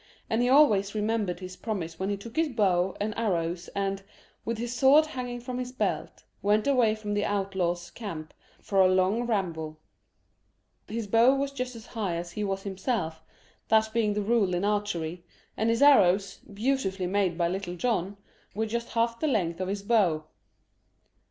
And he always remembered his promise when he took his bow and arrows and, with his sword hanging from his belt, went away from the outlaws' camp for a long ramble. His bow was just as high as he was himself, that being the rule in archery, and his arrows, beautifully made by Little John, were just half the length of his bow.